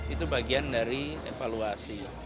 itu bagian dari evaluasi